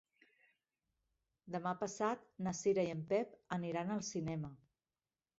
Demà passat na Cira i en Pep aniran al cinema.